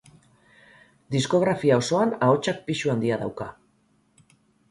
Diskografia osoan ahotsak pisu handia dauka.